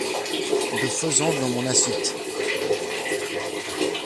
De faisan dans mon assiette.